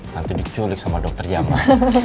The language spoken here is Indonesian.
nanti diculik sama dokter jamah